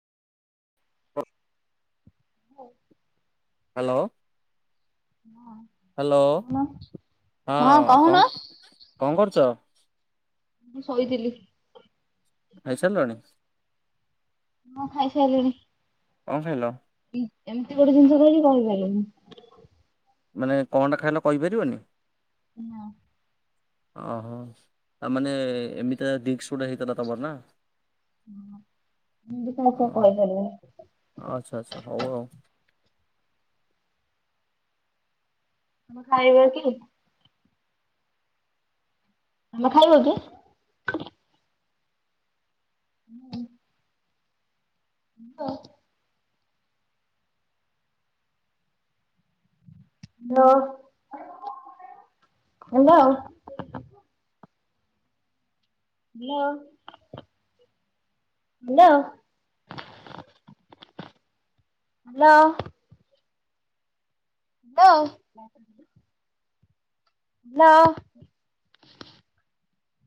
ମୁଁ ହାଲୋ। ହଁ ହ୍ୟାଲୋ କହୁନ। ହଁ କଣ କଣ କରୁଚ? ମୁଁ ଶୋଇଥିଲି। ଖାଇ ସାରିଲଣି? ହଁ ଖାଇ ସାରିଲିଣି। କଣ ଖାଇଲ? ଇ ଏମିତି ଗୋଟେ ଜିନିଷ [unintelligible] କହିପାରିବନି। ମାନେ କଣଟା ଖାଇଲ କହିପାରିବନି? ନା। ଓହୋ ତା ମାନେ ଏମିତିଆ ଦିନିସ ଗୋଟେ ହେଇଥାନ୍ତା ତମର ନା। ମୁଁ [unintelligible] କହି ପାରିବିନି। ଆ ଆଚ୍ଛା ଆଚ୍ଛା ହଉ ଆଉ। ତମେ ଖାଇବ କି? ତମେ ଖାଇବ କି? [unintelligible] ତ hello hello. Hello hello. Hello. ଲୋ। ଲୋ